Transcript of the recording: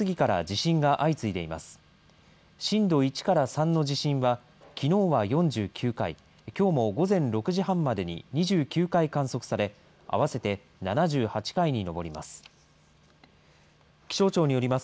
震度１から３の地震は、きのうは４９回、きょうも午前６時半までにえ２９回観測され、合わせて７８回に上ります。